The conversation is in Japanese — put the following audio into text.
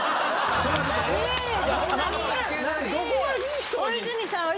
どこがいい人に。